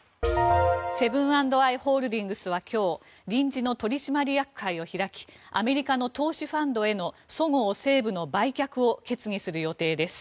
セブン＆アイ・ホールディングスは今日、臨時の取締役会を開きアメリカの投資ファンドへのそごう・西武の売却を決議する予定です。